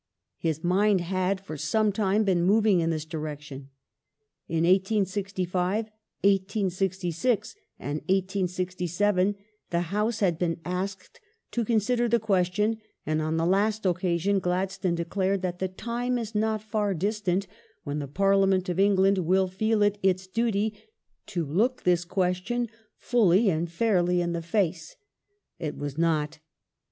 His mind had for some time been moving in this direction. In 1865, 1866, and 1867 the House had been asked to consider the question, and on the last occasion Gladstone declared that the ''time is not far distant when the Parliament of England ... will feel it its duty to look this question fully and fairly in the face ". It was not.